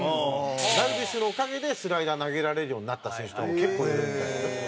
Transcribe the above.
ダルビッシュのおかげでスライダーを投げられるようになった選手とかも結構いるみたいですよ。